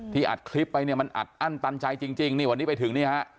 อัดคลิปไปเนี่ยมันอัดอั้นตันใจจริงนี่วันนี้ไปถึงนี่ฮะ